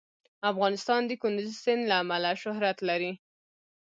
افغانستان د کندز سیند له امله شهرت لري.